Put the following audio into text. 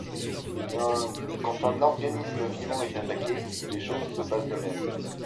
Eh bien, quand un organisme vivant est attaqué, les choses se passent de même.